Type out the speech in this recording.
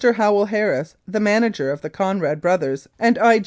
Howell Harris, the manager of the Conrad Brothers' and I.